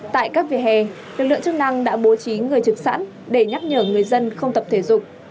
tại các vỉa hè lực lượng chức năng đã bố trí người trực sẵn để nhắc nhở người dân không tập thể dục